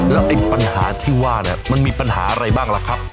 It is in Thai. แล้วไอ้ปัญหาที่ว่าเนี่ยมันมีปัญหาอะไรบ้างล่ะครับ